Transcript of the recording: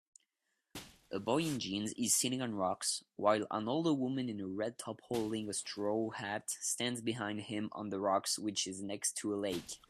A boy in jeans is sitting on rocks while an older women in a red top holding a straw hat stands behind him on the rocks which is next to a lake